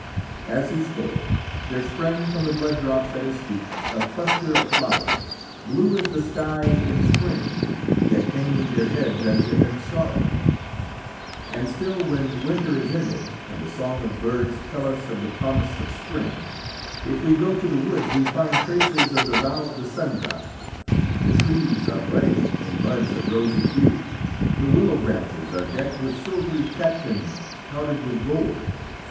As he spoke, there sprang from the blood drops at his feet a cluster of flowers, blue as the sky in spring, yet hanging their heads as if in sorrow. [Illustration: DARKNESS FELL ON THE EYES OF HYACINTHUS] And still, when winter is ended, and the song of birds tell us of the promise of spring, if we go to the woods, we find traces of the vow of the sun god. The trees are budding in buds of rosy hue, the willow branches are decked with silvery catkins powdered with gold.